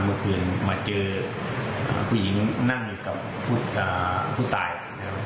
เมื่อคืนมาเจอผู้หญิงนั่งกับผู้ตายนะครับ